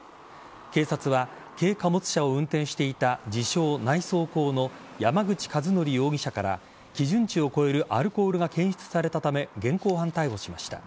警察は軽貨物車を運転していた自称・内装工の山口一徳容疑者から基準値を超えるアルコールが検出されたため現行犯逮捕しました。